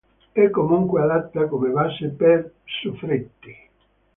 È comunque adatta come base per soffritti.